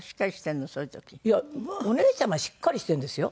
お姉ちゃまはしっかりしてるんですよ。